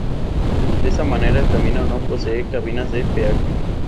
De esta manera el camino no posee cabinas de peaje.